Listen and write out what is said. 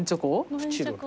プチロル。